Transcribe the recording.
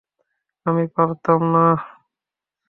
আমি পারতাম না।